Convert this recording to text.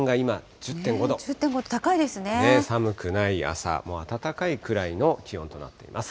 １０．５度、寒くない朝、もう暖かいくらいの気温となっています。